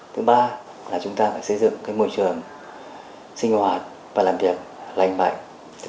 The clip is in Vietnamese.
thứ ba là chúng ta phải xây dựng cái môi trường sinh hoạt và làm việc lành mạnh